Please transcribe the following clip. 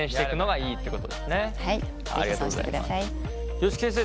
吉木先生